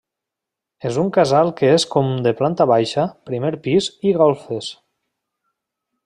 És un casal que és com de planta baixa, primer pis i golfes.